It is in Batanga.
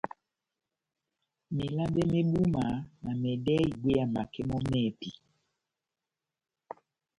Melabɛ mé búma na mɛdɛ́hɛ́ ibwéya makɛ mɔ́ mɛ́hɛ́pi.